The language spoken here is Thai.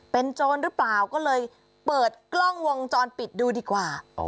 เป็นโจรหรือเปล่าก็เลยเปิดกล้องวงจรปิดดูดีกว่า